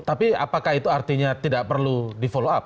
tapi apakah itu artinya tidak perlu di follow up